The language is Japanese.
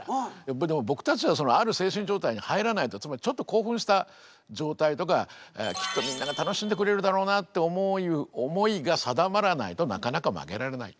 でも僕たちはある精神状態に入らないとつまりちょっと興奮した状態とかきっとみんなが楽しんでくれるだろうなって思いが定まらないとなかなか曲げられない。